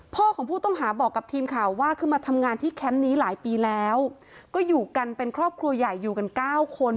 พ่อของผู้ต้องหาบอกกับทีมข่าวว่าคือมาทำงานที่แคมป์นี้หลายปีแล้วก็อยู่กันเป็นครอบครัวใหญ่อยู่กันเก้าคน